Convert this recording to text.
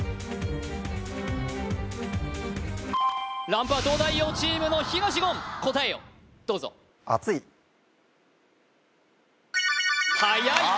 ランプは東大王チームの東言答えをどうぞはやい